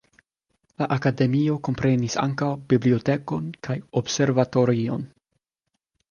La akademio komprenis ankaŭ bibliotekon kaj observatorion.